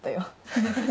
ハハハハ。